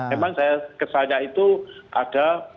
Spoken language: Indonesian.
memang kesannya itu ada